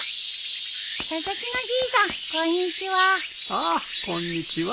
ああこんにちは。